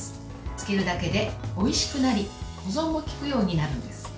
つけるだけでおいしくなり保存も利くようになるんです。